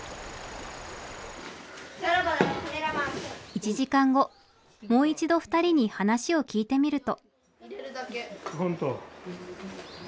１時間後もう一度２人に話を聞いてみると。